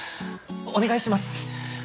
お願いします